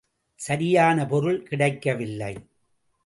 சரியான பொருள் கிடைக்கவில்லை.